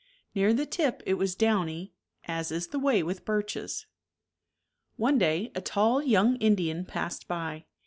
Near the tip it was downy, as is the way with birches. One day a tall young Indian passed by.